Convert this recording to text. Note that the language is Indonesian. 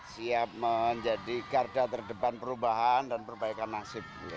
siap menjadi garda terdepan perubahan dan perbaikan nasib